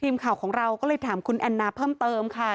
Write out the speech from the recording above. ทีมข่าวของเราก็เลยถามคุณแอนนาเพิ่มเติมค่ะ